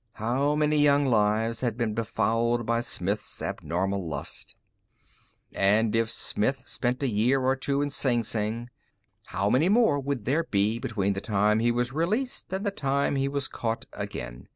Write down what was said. How many young lives had been befouled by Smith's abnormal lust?_ And if Smith spent a year or two in Sing Sing, how many more would there be between the time he was released and the time he was caught again?